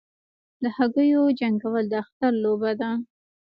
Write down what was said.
د هګیو جنګول د اختر لوبه ده.